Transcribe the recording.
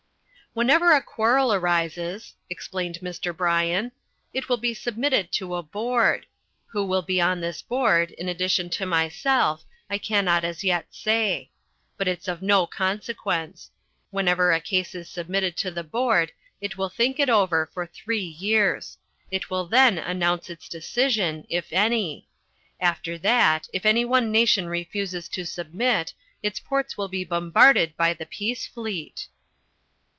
"Whenever a quarrel arises," explained Mr. Bryan, "it will be submitted to a Board. Who will be on this Board, in addition to myself, I cannot as yet say. But it's of no consequence. Whenever a case is submitted to the Board it will think it over for three years. It will then announce its decision if any. After that, if any one nation refuses to submit, its ports will be bombarded by the Peace Fleet."